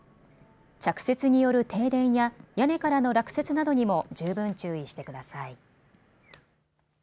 着雪による停電や屋根からの落雪などにも十分注意してください。